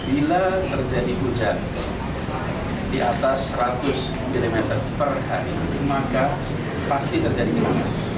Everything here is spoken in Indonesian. bila terjadi hujan di atas seratus mm per hari maka pasti terjadi genangan